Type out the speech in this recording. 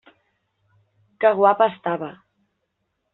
Que guapa estava!